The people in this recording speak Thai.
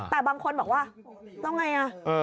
แต่บางคนบอกว่าแล้วไงอ่ะ